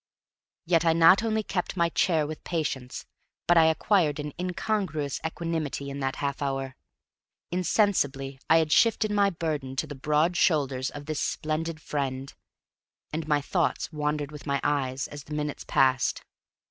Yet I not only kept my chair with patience, but I acquired an incongruous equanimity in that half hour. Insensibly I had shifted my burden to the broad shoulders of this splendid friend, and my thoughts wandered with my eyes as the minutes passed.